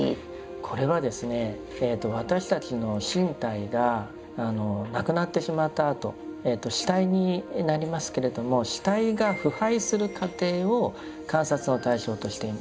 これはですね私たちの身体がなくなってしまったあと死体になりますけれども死体が腐敗する過程を観察の対象としています。